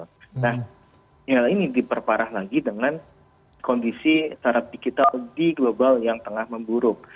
nah hal ini diperparah lagi dengan kondisi startup digital di global yang tengah memburuk